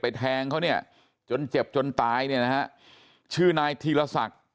แทงเขาเนี่ยจนเจ็บจนตายเนี่ยนะฮะชื่อนายธีรศักดิ์